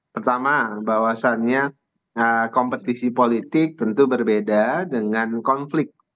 pertama bahwasannya kompetisi politik tentu berbeda dengan konflik